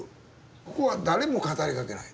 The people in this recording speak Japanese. ここは誰も語りかけない。